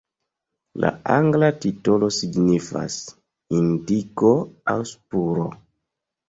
La angla titolo signifas "indiko" aŭ "spuro".